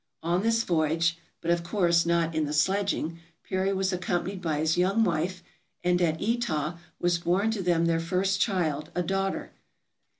On this voyage (but of course not in the sledging) Peary was accompanied by his young wife, and at Etah was born to them their first child, a daughter.